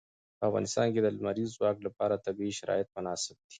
په افغانستان کې د لمریز ځواک لپاره طبیعي شرایط مناسب دي.